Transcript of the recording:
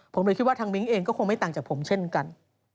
ผมเลยคิดว่าทางมิ้งเองก็คงไม่ต่างจากผมเช่นกัน